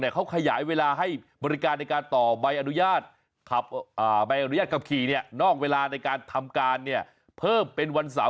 เขาขยายเวลาให้บริการในการต่อใบอนุญาตขับใบอนุญาตขับขี่นอกเวลาในการทำการเพิ่มเป็นวันเสาร์